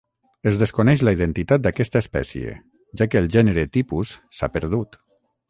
Es desconeix la identitat d'aquesta espècie, ja que el gènere tipus s'ha perdut.